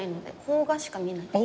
邦画しか見ない。